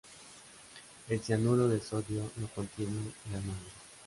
El cianuro de sodio no contiene la nomen.